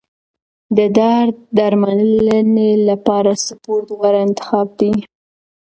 د درد درملنې لپاره سپورت غوره انتخاب دی.